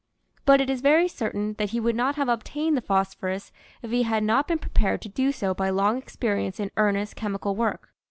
But it is very certain that he would not have obtained the phosphorus if he had not been prepared to do so by long experience in earnest chemical work.